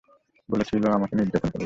বলেছিল আমাকে নির্যাতন করবে।